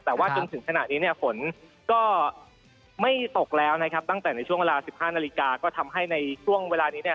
แต่ว่าจนถึงขณะนี้เนี่ยฝนก็ไม่ตกแล้วนะครับตั้งแต่ในช่วงเวลา๑๕นาฬิกาก็ทำให้ในช่วงเวลานี้เนี่ย